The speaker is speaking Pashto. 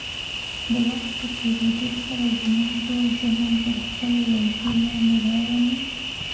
د وخت په تېرېدو سره زموږ ټول ذهن تر خپلې ولکې لاندې راولي.